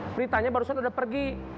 pritanya baru saja sudah pergi